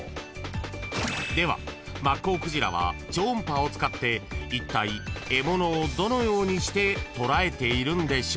［ではマッコウクジラは超音波を使っていったい獲物をどのようにしてとらえているんでしょう？］